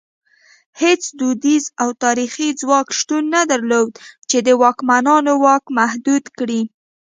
هېڅ دودیز او تاریخي ځواک شتون نه درلود چې د واکمنانو واک محدود کړي.